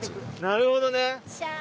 なるほどね。